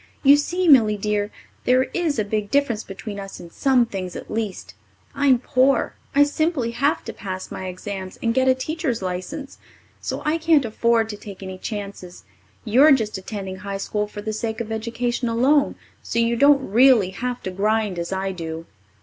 "You see, Millie dear, there is a big difference between us in some things at least. I'm poor. I simply have to pass my exams and get a teacher's licence. So I can't afford to take any chances. You're just attending high school for the sake of education alone, so you don't really have to grind as I do."